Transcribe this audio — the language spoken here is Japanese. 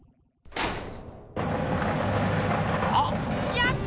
やった！